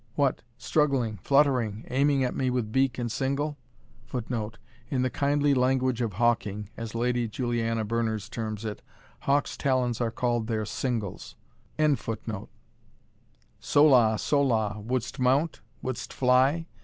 "What! struggling, fluttering, aiming at me with beak and single? [Footnote: In the kindly language of hawking, as Lady Juliana Berners terms it, hawks' talons are called their singles] So la! So la! wouldst mount? wouldst fly?